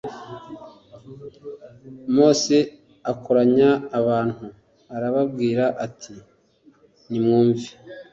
Mose akoranya abantu arababwira ati nimwumve